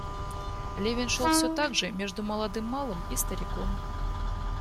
Левин шел всё так же между молодым малым и стариком.